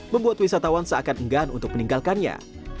membuat wisatawan seakan enggan untuk meninggalkannya